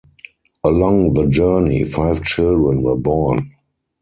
Along the journey, five children were born.